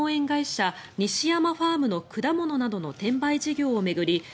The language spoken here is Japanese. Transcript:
会社西山ファームの果物などの転売事業を巡り